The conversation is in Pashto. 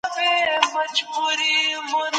پښتو ژبه د محبت او دوستۍ لویه وسیله ده